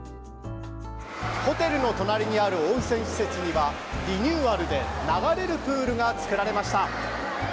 ホテルの隣にある温泉施設にはリニューアルで流れるプールが作られました。